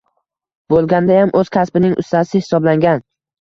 Bo‘lgandayam o‘z kasbining ustasi hisoblangan